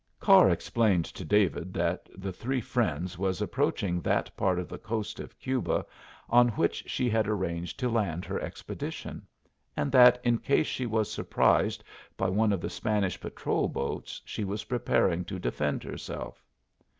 Carr explained to David that The Three Friends was approaching that part of the coast of Cuba on which she had arranged to land her expedition, and that in case she was surprised by one of the Spanish patrol boats she was preparing to defend herself.